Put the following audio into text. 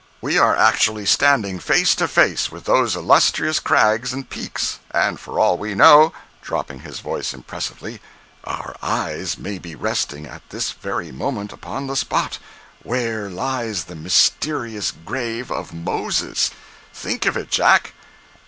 We are actually standing face to face with those illustrious crags and peaks—and for all we know" [dropping his voice impressively], "our eyes may be resting at this very moment upon the spot WHERE LIES THE MYSTERIOUS GRAVE OF MOSES! Think of it, Jack!"